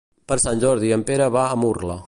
Per Sant Jordi en Pere va a Murla.